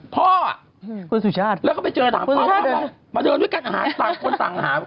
พ่อแล้วก็ไปเจอมาเจอกันอาหารต่างคนต่างอาหาร